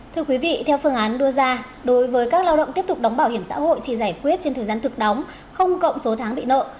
thưa quý vị theo phương án đưa ra đối với các lao động tiếp tục đóng bảo hiểm xã hội chỉ giải quyết trên thời gian thực đóng không cộng số tháng bị nợ